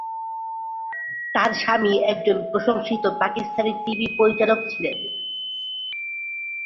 তার স্বামী একজন প্রশংসিত পাকিস্তানি টিভি পরিচালক ছিলেন।